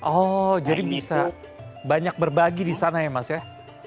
oh jadi bisa banyak berbagi di sana ya mas ya